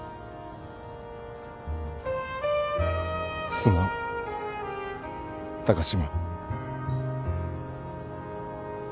すまん高島。